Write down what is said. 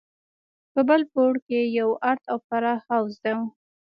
په بل پوړ کښې يو ارت او پراخ حوض و.